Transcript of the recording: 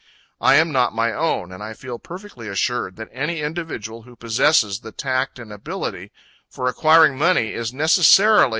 I am not my own, and I feel perfectly assured that any individual who possesses the tact and ability for acquiring money is neccessarily (_sic.